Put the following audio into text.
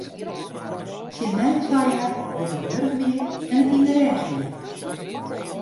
Tsjin my sei hja dat hja wurch wie en it yn de rêch hie.